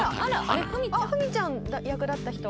あっフミちゃん役だった人。